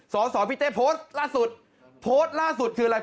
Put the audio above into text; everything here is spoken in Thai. สอสอพี่เต้โพสต์ล่าสุดโพสต์ล่าสุดคืออะไร